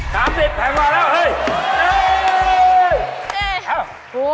ตามนิตแพงว่าแล้ว